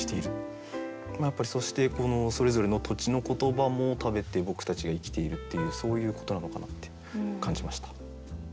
やっぱりそしてこのそれぞれの土地の言葉も食べて僕たちが生きているっていうそういうことなのかなって感じました。